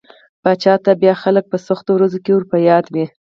پاچا ته بيا خلک په سختو ورځو کې ور په ياد وي.